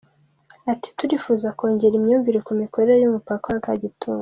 Ati “Turifuza kongera imyumvire ku mikorere y’umupaka wa Kagitumba .